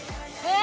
え